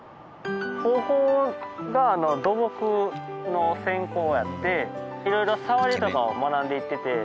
高校が土木の専攻やっていろいろさわりとかを学んでいってて。